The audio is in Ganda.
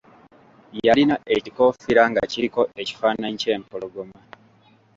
Yalina ekikoofiira nga kiriko ekifaananyi ky’empologoma.